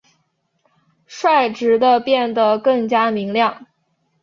率直地变得更加明亮！